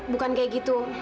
bukan kayak gitu